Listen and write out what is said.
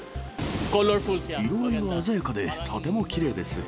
色合いが鮮やかで、とてもきれいです。